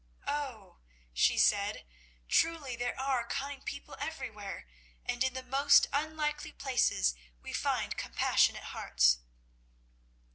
"Oh," said she, "truly there are kind people everywhere, and in the most unlikely places we find compassionate hearts."